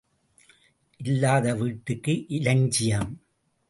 இல்லாத வீட்டுக்கு இலஞ்சியம்.